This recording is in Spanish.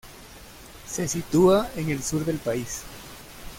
Se sitúa en el sur del país.